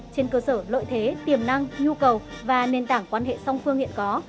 trên cơ sở lợi thế tiềm năng nhu cầu và nền tảng quan hệ song phương hiện có